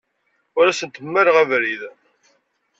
Ur asent-mmaleɣ abrid.